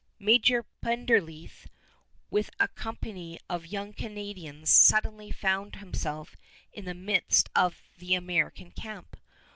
Major Plenderleath with a company of young Canadians suddenly found himself in the midst of the American camp.